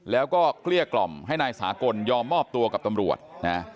แล้วก็เกลี้ยกล่อมให้นายสากลยอมมอบตัวกับตำรวจนะ